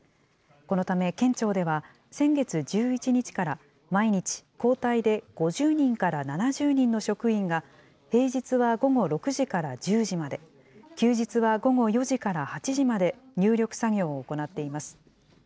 このため県庁では、先月１１日から、毎日、交代で５０人から７０人の職員が、平日は午後６時から１０時まで、休日は午後４時から８時まで、入力作業を行っています。